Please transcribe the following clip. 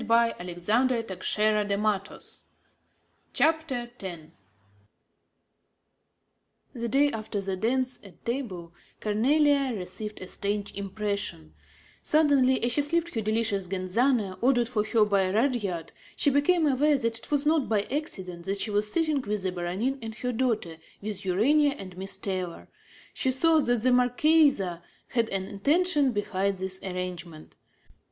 "We are so out of it all here." CHAPTER X The day after the dance, at table, Cornélie received a strange impression: suddenly, as she sipped her delicious Genzano, ordered for her by Rudyard, she became aware that it was not by accident that she was sitting with the Baronin and her daughter, with Urania and Miss Taylor; she saw that the marchesa had an intention behind this arrangement.